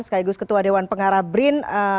sekaligus ketua dewan pengarah brin